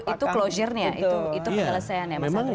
itu closure nya itu penyelesaian ya mas andre